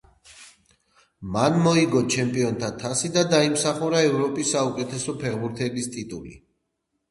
მან მოიგო ჩემპიონთა თასი და დაიმსახურა ევროპის საუკეთესო ფეხბურთელის ტიტული.